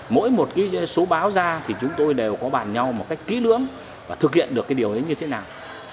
mỗi một số báo ra thì chúng tôi đều có bàn nhau một cách kỹ lưỡng và thực hiện được điều ấy như thế nào